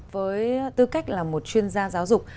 với tư cách là một chuyên gia giáo dục